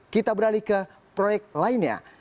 kita beralih ke proyek lainnya